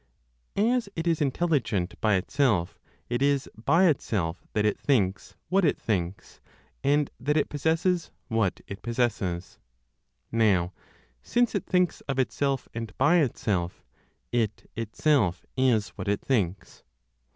As it is intelligent by itself, it is by itself that it thinks what it thinks, and that it possesses what is possesses. Now since it thinks of itself and by itself, it itself is what it thinks.